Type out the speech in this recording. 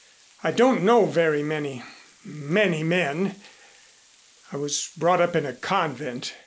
I don't know very many many men. I was brought up in a convent.